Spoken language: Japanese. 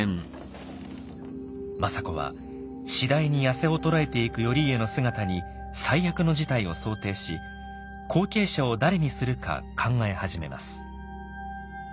政子は次第に痩せ衰えていく頼家の姿に最悪の事態を想定し後継者を誰にするか考え始めます。